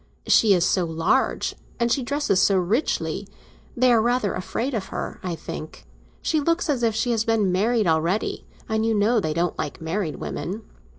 She is so large, and she dresses—so richly. They are rather afraid of her, I think; she looks as if she had been married already, and you know they don't like married women.